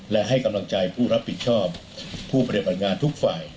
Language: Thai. และให้กำลังใจผู้รับผิดชอบผู้ปฏิบัติงานทุกฝ่าย